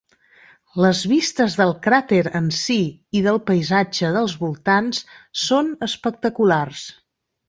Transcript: Les vistes del cràter en si i del paisatge dels voltants són espectaculars.